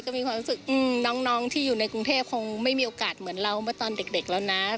ก็มีความรู้สึกน้องที่อยู่ในกรุงเทพคงไม่มีโอกาสเหมือนเราเมื่อตอนเด็กแล้วนะ